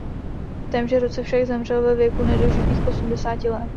V témže roce však zemřel ve věku nedožitých osmdesáti let.